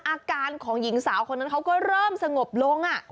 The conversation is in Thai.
อาการของหญิงสาวคนนั้นเขาก็เริ่มสงบลง